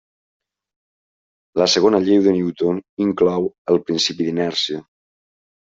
La segona llei de Newton inclou el principi d'inèrcia.